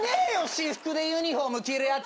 私服でユニホーム着るやつよ。